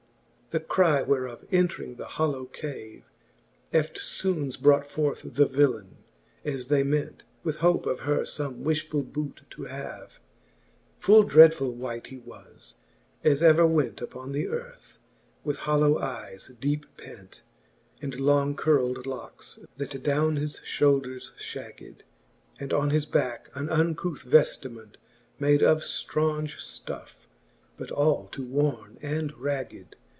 X. The cry whereof entring the hollow cave, Eftfoones brought forth the villaine, as they ment, With hope of her fome wifhfull boote to have. Full dreadfull wight he was, as ever went Upon the earth, with hollow eyes deepe pent, And long curld locks, that downe his fhoulders fhagged^, And on his backe an uncouth veftiment Made of ftraunge ftuffe, but all to worne and ragged.